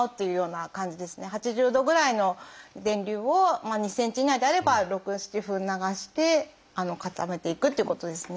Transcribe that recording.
８０度ぐらいの電流を２ｃｍ以内であれば６７分流して固めていくっていうことですね。